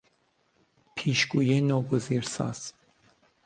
پیشگویی ناگزیرساز